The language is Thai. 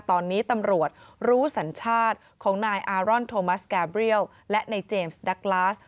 ตอนนี้ตำรวจรู้สัญชาติของนายอารอนโทมัสแกเบรียลและในเจมส์ดักลาส